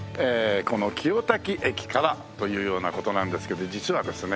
この清滝駅からというような事なんですけど実はですね